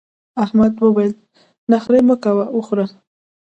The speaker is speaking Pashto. احمد وويل: نخرې مه کوه وخوره.